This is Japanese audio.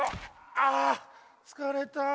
あつかれた。